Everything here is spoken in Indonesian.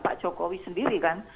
pak jokowi sendiri kan